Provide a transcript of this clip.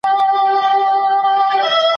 پس انداز نشي کولای د پرمختیا یوازنی معیار وي.